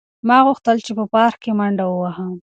ما غوښتل چې په پارک کې منډه وهم.